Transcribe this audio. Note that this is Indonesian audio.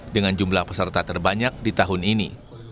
dengan jumlah peserta terbanyak di tahun ini